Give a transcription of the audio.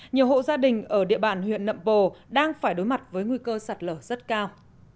nhiều hộ gia đình ở địa bàn huyện nậm bồ đang phải đối mặt với nguy cơ sạt lở rất cao